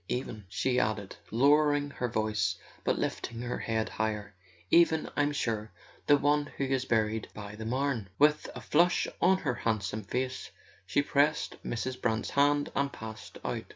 .. Even," she added, lowering her voice but lifting her head higher, "even, I'm sure, the one who is buried by the Marne." With a flush on her handsome face she pressed Mrs. Brant's hand and passed out.